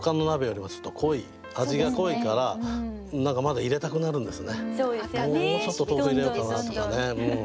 もうちょっと豆腐入れようかなとかね。